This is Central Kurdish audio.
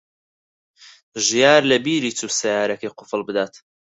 ژیار لەبیری چوو سەیارەکەی قوفڵ بدات.